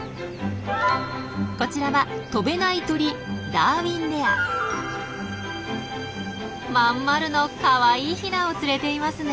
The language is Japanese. こちらは飛べない鳥まん丸のかわいいヒナを連れていますね。